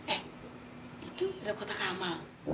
eh itu udah kotak amal